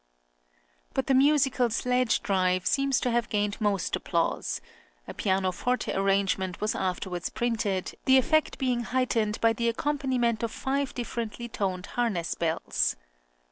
But the musical "Sledge Drive" seems to have gained most applause; a pianoforte arrangement was afterwards printed, the effect being heightened by the accompaniment of five differently toned harness bells.